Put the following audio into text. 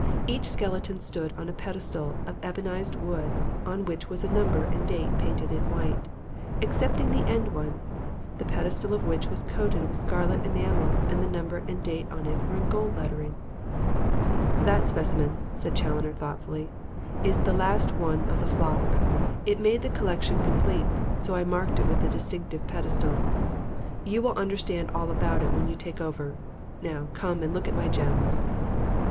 Each skeleton stood on a pedestal of ebonized wood on which was a number and a date painted in white, excepting the end one, the pedestal of which was coated with scarlet enamel and the number and date on it in gold lettering. "That specimen," said Challoner, thoughtfully, "is the last of the flock. It made the collection complete. So I marked it with a distinctive pedestal. You will understand all about it when you take over. Now come and look at my gems."